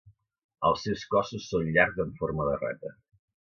Els seus cossos són llargs amb forma de rata.